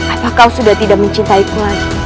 apa kau sudah tidak mencintaiku lagi